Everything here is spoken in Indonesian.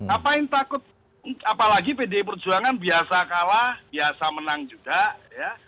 apa yang takut apalagi pdi perjuangan biasa kalah biasa menang juga ya